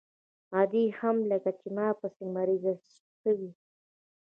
ادې هم لکه چې په ما پسې مريضه سوې وه.